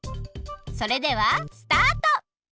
それではスタート！